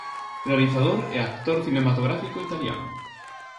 Realizador e actor cinematográfico italiano.